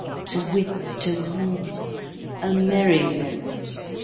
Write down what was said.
To whit, Tu whoo! A merry note!